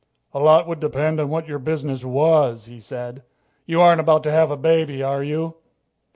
"A lot would depend on what your business was," he said. "You aren't about to have a baby, are you?"